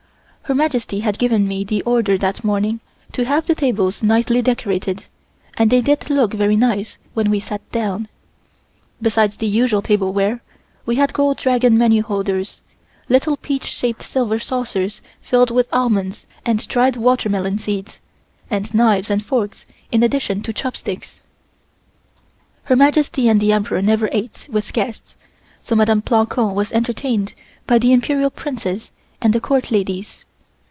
Her Majesty had given me the order that morning to have the tables nicely decorated and they did look very nice when we sat down. Besides the usual tableware, we had gold dragon menu holders, little peach shaped silver saucers filled with almonds and dried watermelon seeds, and knives and forks in addition to chopsticks. Her Majesty and the Emperor never ate with guests, so Mdme. Plancon was entertained by the Imperial Princess and the Court ladies.